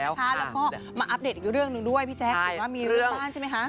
แล้วก็มาอัปเดตอีกเรื่องหนึ่งด้วยพี่แจ๊คเห็นว่ามีเรื่องบ้านใช่ไหมคะ